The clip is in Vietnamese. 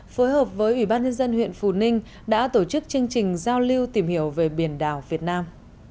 phối hợp với ủy ban nhân dân huyện phù ninh đã tổ chức chương trình giao lưu tìm hiểu về biển đảo việt nam